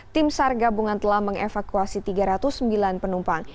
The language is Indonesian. tim sar gabungan telah mengevakuasi tiga ratus sembilan penumpang